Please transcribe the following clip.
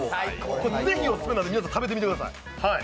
これぜひオススメなんで皆さん食べてください。